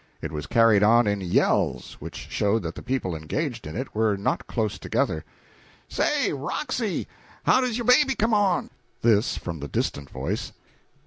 It was carried on in yells, which showed that the people engaged in it were not close together: "Say, Roxy, how does yo' baby come on?" This from the distant voice.